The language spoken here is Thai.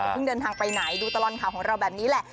เพิ่งเดินทางไปไหนดูตลอดข่าวของเราแบบนี้แหละ